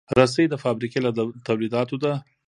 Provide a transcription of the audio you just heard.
رسۍ د فابریکې له تولیداتو ده.